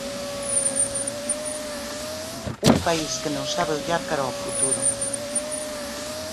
Un país que non sabe ollar cara ao futuro!